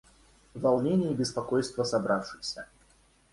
Волнение и беспокойство собравшихся.